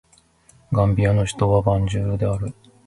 ガンビアの首都はバンジュールである